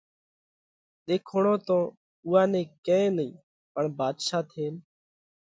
ۮيکوڻو تو اُوئا نئہ ڪئين نئين پڻ ڀاڌشا ٿينَ